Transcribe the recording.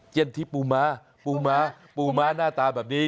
เจียนทิปูมาปูมาปูมาหน้าตาแบบนี้